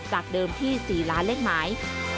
จากเดิมที่๔ล้านเลขหมาย